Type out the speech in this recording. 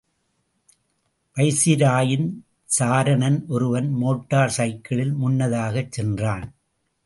வைசிராயின் சாரணன் ஒருவன் மோட்டார் சைக்கிளில் முன்னதாகச் சென்றான்.